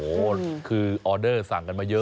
โอ้โหคือออเดอร์สั่งกันมาเยอะ